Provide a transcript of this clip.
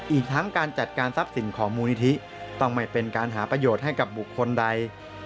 อีกทั้งการจัดการทรัพย์สินของมูลนิธิต้องไม่เป็นการหาประโยชน์ให้กับบุคคลใด